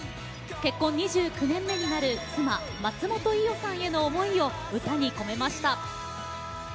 結婚２９年目になる妻・松本伊代さんへの思いを歌に込めました。